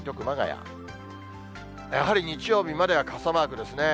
やはり日曜日までは傘マークですね。